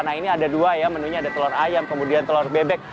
nah ini ada dua ya menunya ada telur ayam kemudian telur bebek